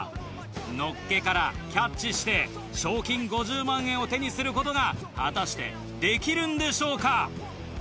のっけからキャッチして賞金５０万円を手にすることが果たしてできるんでしょうか？